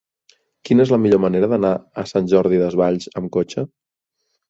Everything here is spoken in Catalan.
Quina és la millor manera d'anar a Sant Jordi Desvalls amb cotxe?